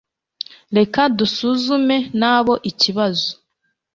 Reka dusuzume nabo ikibazo